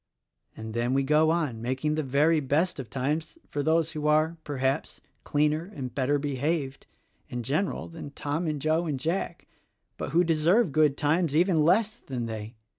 And then we go on making the very best of times for those who are, perhaps, cleaner and better behaved, in general, than Tom and Joe and Jack, but who deserve good times even less than they.